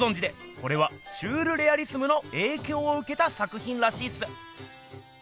これはシュールレアリスムのえいきょうをうけた作品らしいっす。